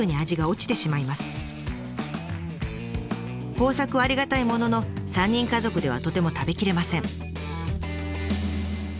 豊作はありがたいものの３人家族ではとても食べきれません。